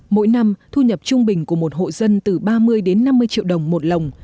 mỗi năm thu nhập trung bình của một hộ dân từ ba mươi đến năm mươi triệu đồng một lồng